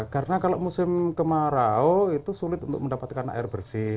karena kalau musim kemarau itu sulit untuk mendapatkan air bersih